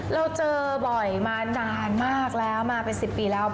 เราเจอบ่อยมานานมากแล้วมาเป็น๑๐ปีแล้ว